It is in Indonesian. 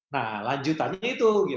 nah lanjutannya itu